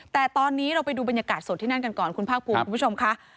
แต่ตอนนี้เราไปดูบรรยากาศสดที่นั่นกันก่อนคุณภาคภูมิคุณผู้ชมค่ะ